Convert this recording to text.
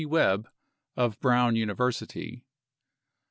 Webb of Brown University.